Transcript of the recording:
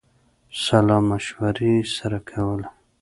سلامشورې یې سره کولې.